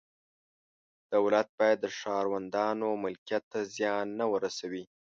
دولت باید د ښاروندانو ملکیت ته زیان نه ورسوي.